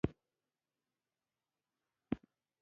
جلګه د افغانستان د اقلیم ځانګړتیا ده.